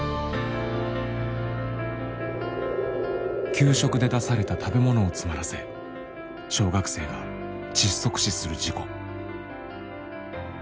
給食で出された食べ物を詰まらせ小学生が窒息死する事故。